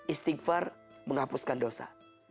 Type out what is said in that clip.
istighfar menghapuskan dosa